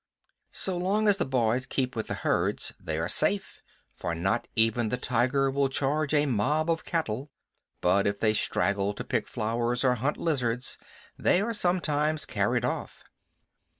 So long as the boys keep with the herds they are safe, for not even the tiger will charge a mob of cattle. But if they straggle to pick flowers or hunt lizards, they are sometimes carried off.